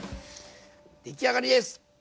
出来上がりです！